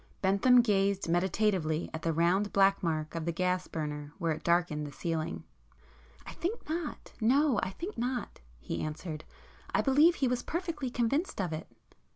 Bentham gazed meditatively at the round black mark of the gas burner where it darkened the ceiling. "I think not,—no, I think not," he answered—"I believe he was perfectly convinced of it."